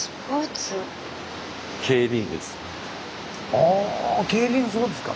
あぁ競輪そうですか。